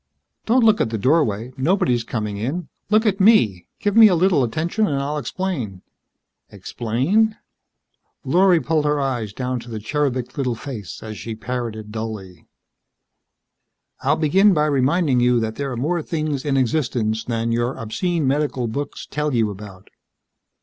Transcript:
"Don't look at the doorway. Nobody's coming in. Look at me. Give me a little attention and I'll explain." "Explain?" Lorry pulled her eyes down to the cherubic little face as she parroted dully. "I'll begin by reminding you that there are more things in existence than your obscene medical books tell you about."